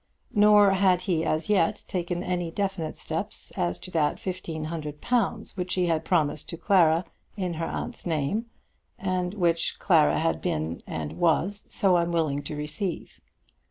Nor had he as yet taken any definite steps as to that fifteen hundred pounds which he had promised to Clara in her aunt's name, and which Clara had been, and was, so unwilling to receive.